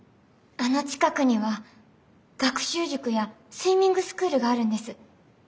あの近くには学習塾やスイミングスクールがあるんです。